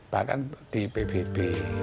bahkan di pbb